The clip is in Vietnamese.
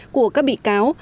của các bị cáo